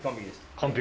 完璧？